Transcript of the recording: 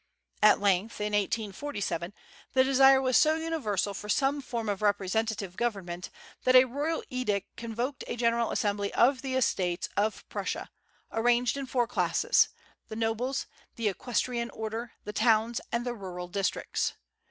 At length, in 1847, the desire was so universal for some form of representative government that a royal edict convoked a General Assembly of the Estates of Prussia, arranged in four classes, the nobles, the equestrian order, the towns, and the rural districts.